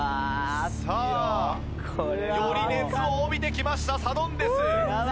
さあより熱を帯びてきましたサドンデス。